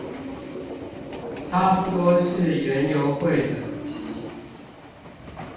差不多是園遊會等級